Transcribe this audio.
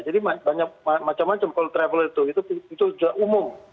jadi banyak macam macam kalau travel itu itu juga umum